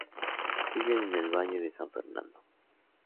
Viven en el Valle de San Fernando.